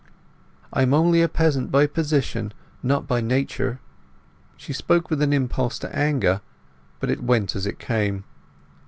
"I am only a peasant by position, not by nature!" She spoke with an impulse to anger, but it went as it came.